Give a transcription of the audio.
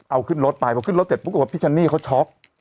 เอาขึ้นรถไปพอขึ้นรถเสร็จปรากฏว่าพี่ชันนี่เขาช็อก